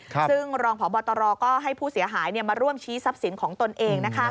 ซึ่งรองพบตรก็ให้ผู้เสียหายมาร่วมชี้ทรัพย์สินของตนเอง